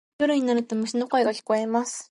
夜になると虫の声が聞こえます。